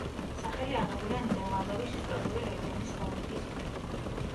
სახელი აღებულია ნიდერლანდების ისტორიული რეგიონის ჰოლანდიის მიხედვით.